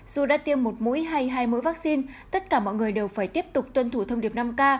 dù đã tiêm một mũi hay hai mũi vaccine tất cả mọi người đều phải tiếp tục tuân thủ thông điệp năm k